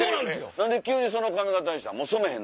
何で急にその髪形にしたん？